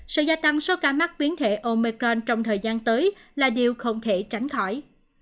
sự gia tăng số ca mắc biến thể omecron trong thời gian tới là điều không thể tránh khỏi